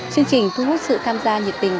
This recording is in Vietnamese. chương trình thu hút sự tham gia nhiệt tình